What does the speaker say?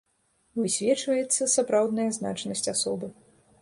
Высвечваецца сапраўдная значнасць асобы.